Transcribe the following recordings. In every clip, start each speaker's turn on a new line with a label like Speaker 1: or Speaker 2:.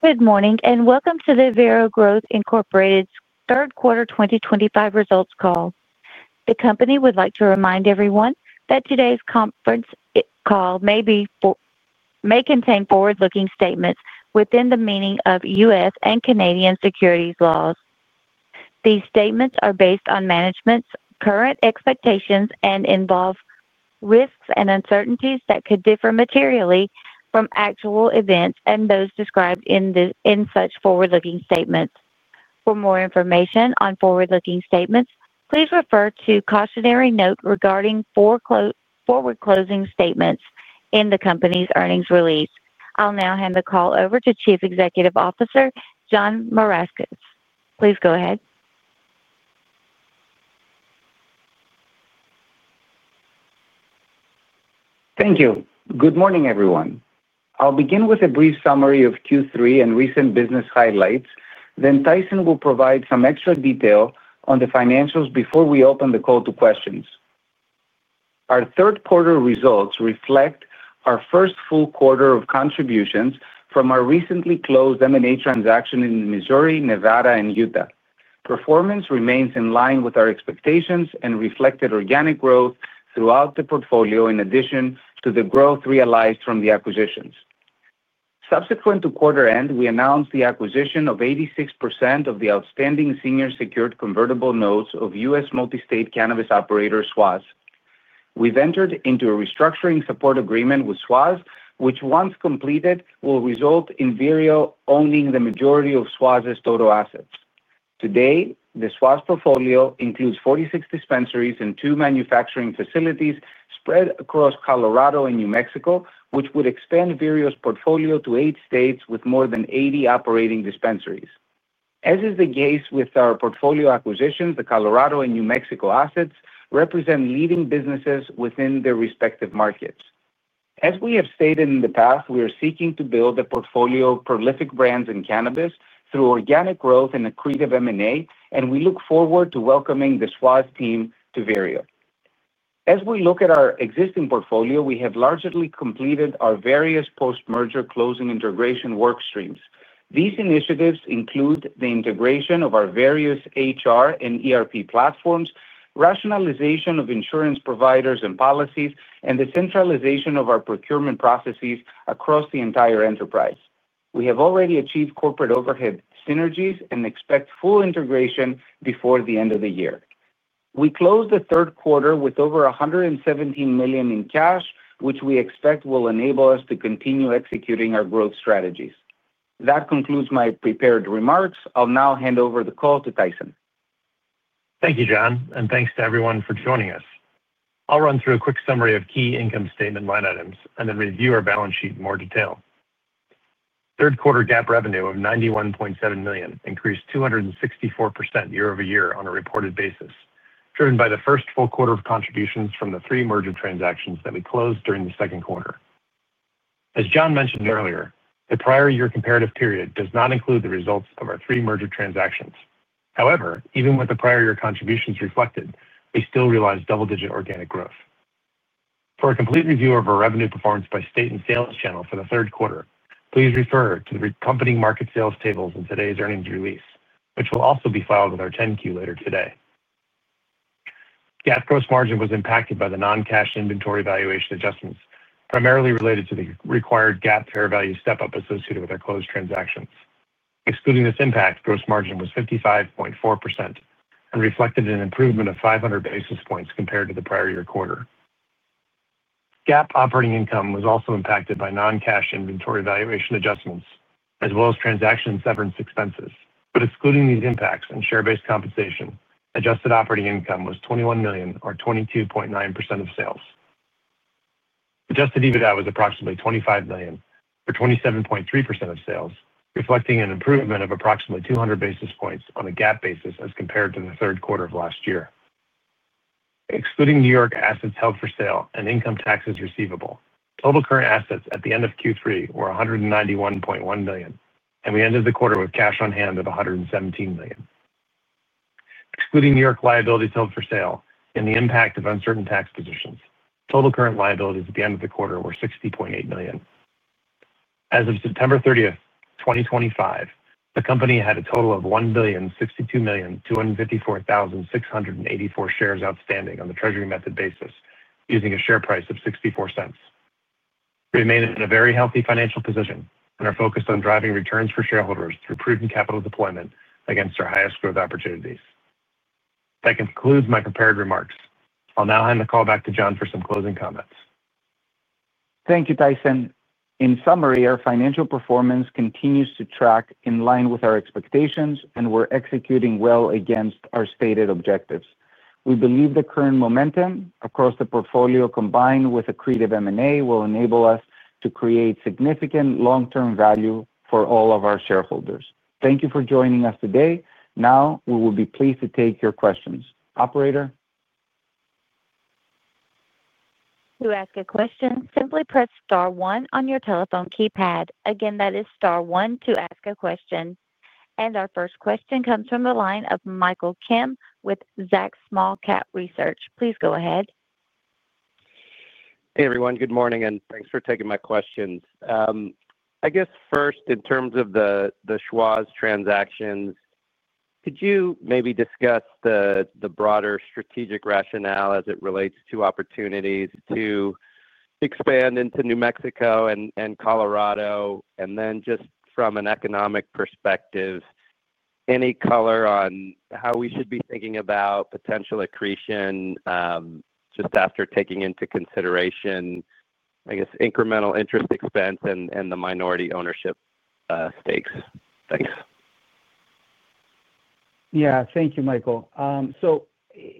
Speaker 1: Good morning and welcome to the Vireo Growth Incorporated's third quarter 2025 results call. The company would like to remind everyone that today's conference call may contain forward-looking statements within the meaning of U.S. and Canadian securities laws. These statements are based on management's current expectations and involve risks and uncertainties that could differ materially from actual events and those described in such forward-looking statements. For more information on forward-looking statements, please refer to the cautionary note regarding forward-looking statements in the company's earnings release. I'll now hand the call over to Chief Executive Officer John Mazarakis. Please go ahead.
Speaker 2: Thank you. Good morning, everyone. I'll begin with a brief summary of Q3 and recent business highlights, then Tyson will provide some extra detail on the financials before we open the call to questions. Our third quarter results reflect our first full quarter of contributions from our recently closed M&A transaction in Missouri, Nevada, and Utah. Performance remains in line with our expectations and reflected organic growth throughout the portfolio in addition to the growth realized from the acquisitions. Subsequent to quarter-end, we announced the acquisition of 86% of the outstanding senior secured convertible notes of U.S. multi-state cannabis operator Schwazze. We've entered into a restructuring support agreement with Schwazze, which, once completed, will result in Vireo owning the majority of Schwazze's total assets. Today, the Schwazze portfolio includes 46 dispensaries and two manufacturing facilities spread across Colorado and New Mexico, which would expand Vireo's portfolio to eight states with more than 80 operating dispensaries. As is the case with our portfolio acquisitions, the Colorado and New Mexico assets represent leading businesses within their respective markets. As we have stated in the past, we are seeking to build a portfolio of prolific brands in cannabis through organic growth and accretive M&A, and we look forward to welcoming the Schwazze team to Vireo. As we look at our existing portfolio, we have largely completed our various post-merger closing integration work streams. These initiatives include the integration of our various HR and ERP platforms, rationalization of insurance providers and policies, and the centralization of our procurement processes across the entire enterprise. We have already achieved corporate overhead synergies and expect full integration before the end of the year. We closed the third quarter with over $117 million in cash, which we expect will enable us to continue executing our growth strategies. That concludes my prepared remarks. I'll now hand over the call to Tyson.
Speaker 3: Thank you, John, and thanks to everyone for joining us. I'll run through a quick summary of key income statement line items and then review our balance sheet in more detail. Third quarter GAAP revenue of $91.7 million increased 264% year-over-year on a reported basis, driven by the first full quarter of contributions from the three merger transactions that we closed during the second quarter. As John mentioned earlier, the prior year comparative period does not include the results of our three merger transactions. However, even with the prior year contributions reflected, we still realized double-digit organic growth. For a complete review of our revenue performance by state and sales channel for the third quarter, please refer to the accompanying market sales tables and today's earnings release, which will also be filed with our 10Q later today. GAAP gross margin was impacted by the non-cash inventory valuation adjustments, primarily related to the required GAAP fair value step-up associated with our closed transactions. Excluding this impact, gross margin was 55.4% and reflected an improvement of 500 basis points compared to the prior year quarter. GAAP operating income was also impacted by non-cash inventory valuation adjustments, as well as transaction severance expenses. Excluding these impacts and share-based compensation, adjusted operating income was $21 million, or 22.9% of sales. Adjusted EBITDA was approximately $25 million, or 27.3% of sales, reflecting an improvement of approximately 200 basis points on a GAAP basis as compared to the third quarter of last year. Excluding New York assets held for sale and income taxes receivable, total current assets at the end of Q3 were $191.1 million, and we ended the quarter with cash on hand of $117 million. Excluding New York liabilities held for sale and the impact of uncertain tax positions, total current liabilities at the end of the quarter were $60.8 million. As of September 30th, 2025, the company had a total of 1,062,254,684 shares outstanding on the treasury method basis, using a share price of $0.64. We remain in a very healthy financial position and are focused on driving returns for shareholders through prudent capital deployment against our highest growth opportunities. That concludes my prepared remarks. I'll now hand the call back to John for some closing comments.
Speaker 2: Thank you, Tyson. In summary, our financial performance continues to track in line with our expectations, and we're executing well against our stated objectives. We believe the current momentum across the portfolio, combined with accretive M&A, will enable us to create significant long-term value for all of our shareholders. Thank you for joining us today. Now, we will be pleased to take your questions. Operator.
Speaker 1: To ask a question, simply press star one on your telephone keypad. Again, that is star one to ask a question. Our first question comes from the line of Michael Kim with Zacks Small Cap Research. Please go ahead.
Speaker 4: Hey, everyone. Good morning, and thanks for taking my questions. I guess first, in terms of the Schwazze transactions, could you maybe discuss the broader strategic rationale as it relates to opportunities to expand into New Mexico and Colorado? Then just from an economic perspective, any color on how we should be thinking about potential accretion just after taking into consideration, I guess, incremental interest expense and the minority ownership stakes? Thanks.
Speaker 2: Yeah, thank you, Michael.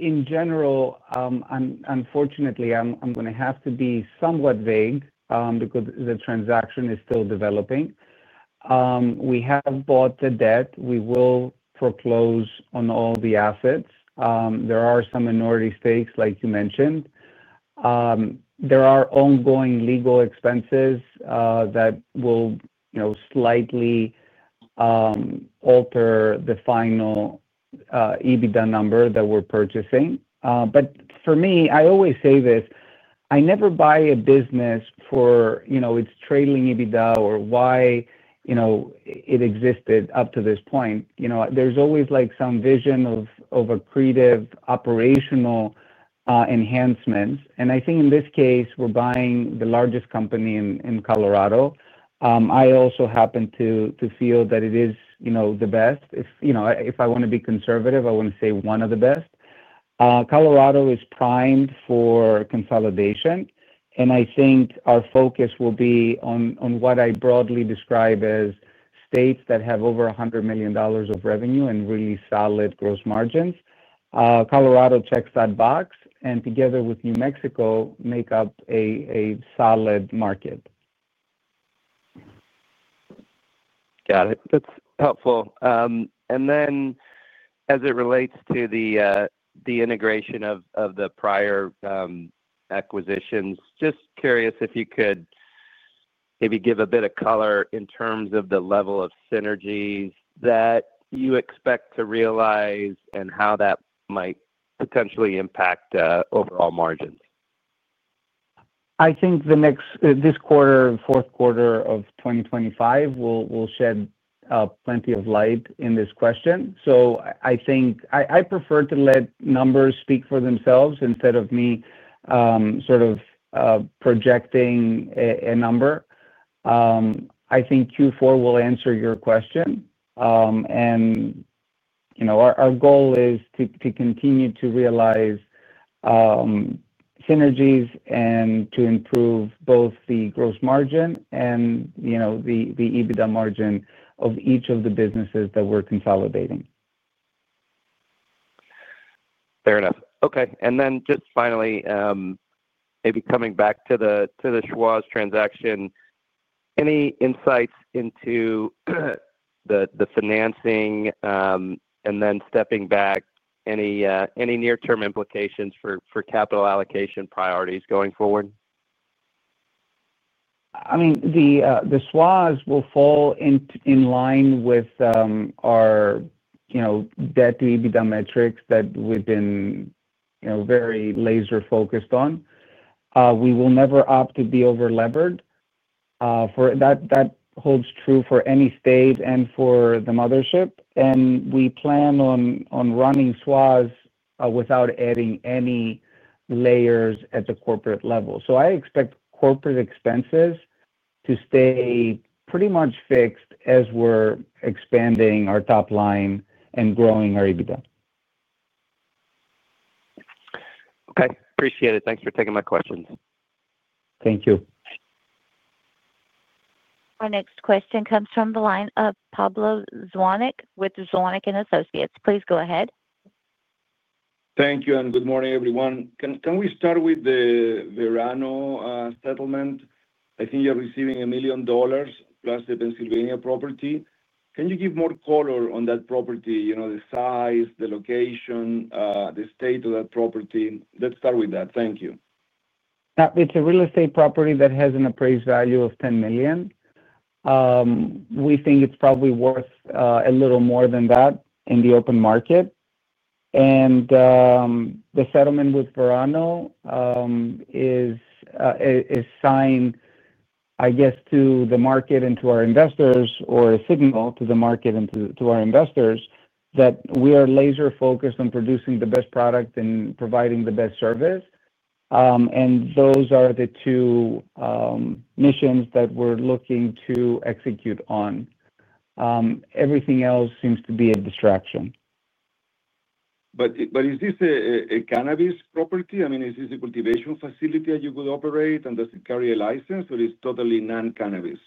Speaker 2: In general, unfortunately, I'm going to have to be somewhat vague because the transaction is still developing. We have bought the debt. We will foreclose on all the assets. There are some minority stakes, like you mentioned. There are ongoing legal expenses that will slightly alter the final EBITDA number that we're purchasing. For me, I always say this, I never buy a business for its trailing EBITDA or why it existed up to this point. There's always some vision of accretive operational enhancements. I think in this case, we're buying the largest company in Colorado. I also happen to feel that it is the best. If I want to be conservative, I want to say one of the best. Colorado is primed for consolidation, and I think our focus will be on what I broadly describe as states that have over $100 million of revenue and really solid gross margins. Colorado checks that box and, together with New Mexico, make up a solid market.
Speaker 4: Got it. That's helpful. As it relates to the integration of the prior acquisitions, just curious if you could maybe give a bit of color in terms of the level of synergies that you expect to realize and how that might potentially impact overall margins.
Speaker 2: I think this quarter and fourth quarter of 2025 will shed plenty of light in this question. I prefer to let numbers speak for themselves instead of me sort of projecting a number. I think Q4 will answer your question. Our goal is to continue to realize synergies and to improve both the gross margin and the EBITDA margin of each of the businesses that we're consolidating.
Speaker 4: Fair enough. Okay. And then just finally, maybe coming back to the Schwazze transaction, any insights into the financing and then stepping back, any near-term implications for capital allocation priorities going forward?
Speaker 2: I mean, the Schwazze will fall in line with our debt-to-EBITDA metrics that we've been very laser-focused on. We will never opt to be over-levered. That holds true for any state and for the mothership. We plan on running Schwazze without adding any layers at the corporate level. I expect corporate expenses to stay pretty much fixed as we're expanding our top line and growing our EBITDA.
Speaker 4: Okay. Appreciate it. Thanks for taking my questions.
Speaker 2: Thank you.
Speaker 1: Our next question comes from the line of Pablo Zuanic with Zuanic & Associates. Please go ahead.
Speaker 5: Thank you, and good morning, everyone. Can we start with the Verano settlement? I think you're receiving $1 million plus the Pennsylvania property. Can you give more color on that property, the size, the location, the state of that property? Let's start with that. Thank you.
Speaker 2: It's a real estate property that has an appraised value of $10 million. We think it's probably worth a little more than that in the open market. The settlement with Verano is signed, I guess, to the market and to our investors, or a signal to the market and to our investors that we are laser-focused on producing the best product and providing the best service. Those are the two missions that we're looking to execute on. Everything else seems to be a distraction.
Speaker 5: Is this a cannabis property? I mean, is this a cultivation facility that you could operate? Does it carry a license, or is it totally non-cannabis?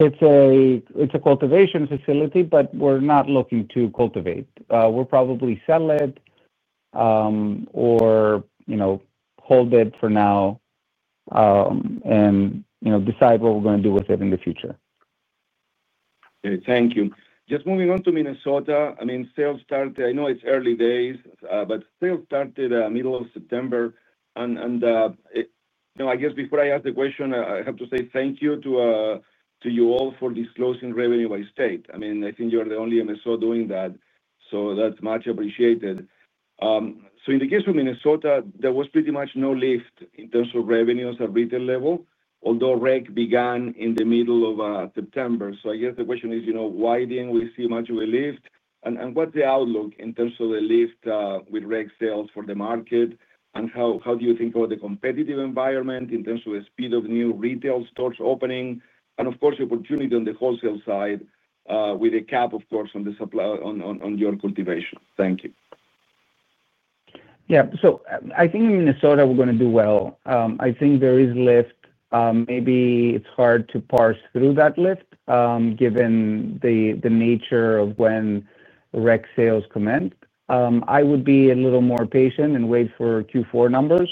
Speaker 2: It's a cultivation facility, but we're not looking to cultivate. We'll probably sell it or hold it for now and decide what we're going to do with it in the future.
Speaker 5: Okay. Thank you. Just moving on to Minnesota. I mean, sales started—I know it's early days, but sales started middle of September. I guess before I ask the question, I have to say thank you to you all for disclosing revenue by state. I mean, I think you're the only MSO doing that, so that's much appreciated. In the case of Minnesota, there was pretty much no lift in terms of revenues at retail level, although REC began in the middle of September. I guess the question is, why didn't we see much of a lift? What's the outlook in terms of the lift with REC sales for the market? How do you think about the competitive environment in terms of the speed of new retail stores opening? Of course, the opportunity on the wholesale side with a cap, of course, on your cultivation. Thank you.
Speaker 2: Yeah. I think in Minnesota, we're going to do well. I think there is lift. Maybe it's hard to parse through that lift given the nature of when REC sales commence. I would be a little more patient and wait for Q4 numbers.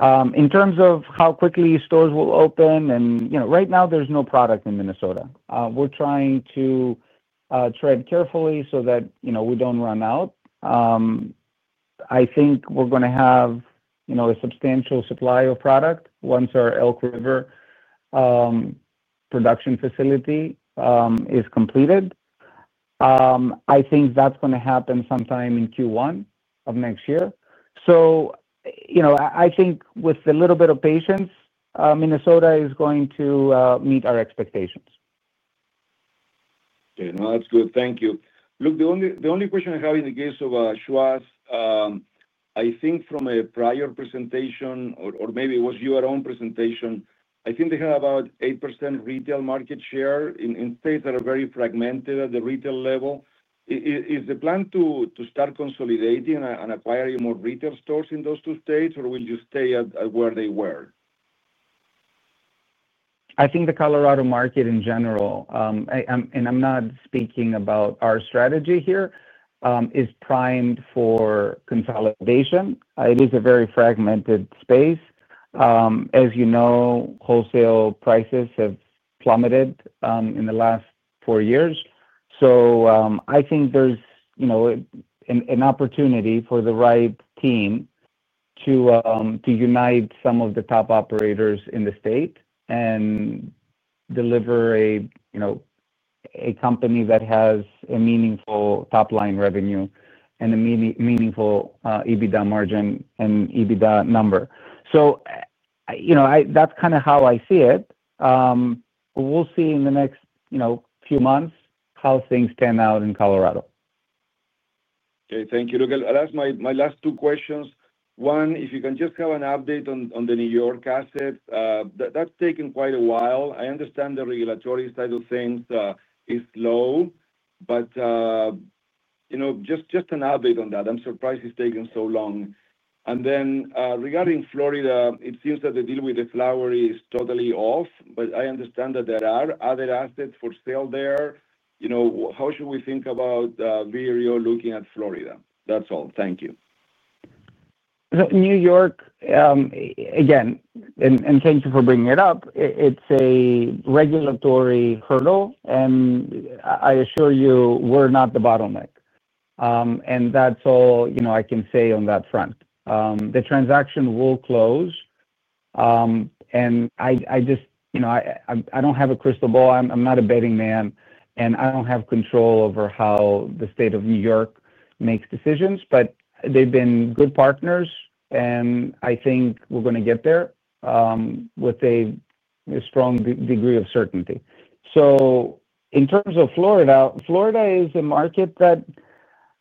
Speaker 2: In terms of how quickly stores will open, right now, there's no product in Minnesota. We're trying to tread carefully so that we don't run out. I think we're going to have a substantial supply of product once our Elk River production facility is completed. I think that's going to happen sometime in Q1 of next year. I think with a little bit of patience, Minnesota is going to meet our expectations.
Speaker 5: Okay. No, that's good. Thank you. Look, the only question I have in the case of Schwazze, I think from a prior presentation, or maybe it was your own presentation, I think they have about 8% retail market share in states that are very fragmented at the retail level. Is the plan to start consolidating and acquiring more retail stores in those two states, or will you stay at where they were?
Speaker 2: I think the Colorado market in general, and I'm not speaking about our strategy here, is primed for consolidation. It is a very fragmented space. As you know, wholesale prices have plummeted in the last four years. I think there's an opportunity for the right team to unite some of the top operators in the state and deliver a company that has a meaningful top-line revenue and a meaningful EBITDA margin and EBITDA number. That's kind of how I see it. We'll see in the next few months how things pan out in Colorado.
Speaker 5: Okay. Thank you. Look, my last two questions. One, if you can just have an update on the New York asset. That's taken quite a while. I understand the regulatory side of things is slow, but just an update on that. I'm surprised it's taken so long. Regarding Florida, it seems that the deal with The Flowery is totally off, but I understand that there are other assets for sale there. How should we think about Vireo looking at Florida? That's all. Thank you.
Speaker 2: New York, again, and thank you for bringing it up, it's a regulatory hurdle, and I assure you we're not the bottleneck. That's all I can say on that front. The transaction will close, and I just—I don't have a crystal ball. I'm not a betting man, and I don't have control over how the state of New York makes decisions, but they've been good partners, and I think we're going to get there with a strong degree of certainty. In terms of Florida, Florida is a market that, you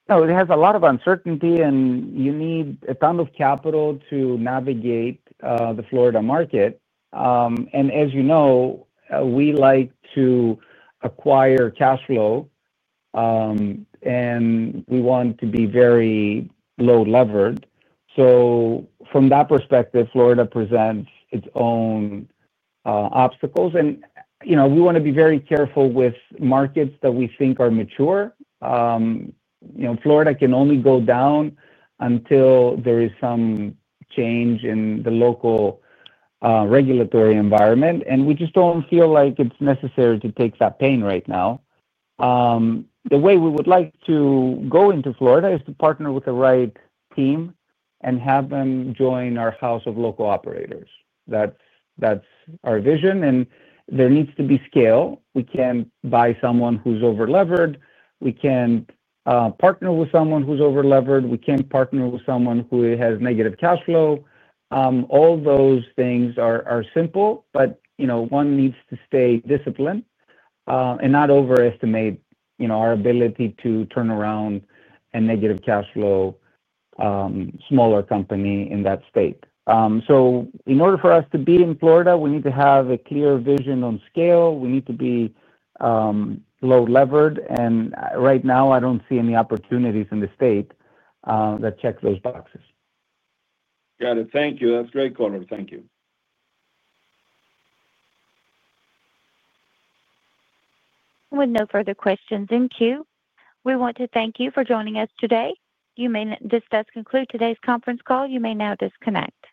Speaker 2: know, it has a lot of uncertainty, and you need a ton of capital to navigate the Florida market. As you know, we like to acquire cash flow, and we want to be very low-levered. From that perspective, Florida presents its own obstacles. We want to be very careful with markets that we think are mature. Florida can only go down until there is some change in the local regulatory environment, and we just do not feel like it is necessary to take that pain right now. The way we would like to go into Florida is to partner with the right team and have them join our house of local operators. That is our vision, and there needs to be scale. We cannot buy someone who is over-levered. We cannot partner with someone who is over-levered. We cannot partner with someone who has negative cash flow. All those things are simple, but one needs to stay disciplined and not overestimate our ability to turn around a negative cash flow smaller company in that state. In order for us to be in Florida, we need to have a clear vision on scale. We need to be low-levered, and right now, I don't see any opportunities in the state that check those boxes.
Speaker 5: Got it. Thank you. That's great color. Thank you.
Speaker 1: With no further questions in queue, we want to thank you for joining us today. This does conclude today's conference call. You may now disconnect.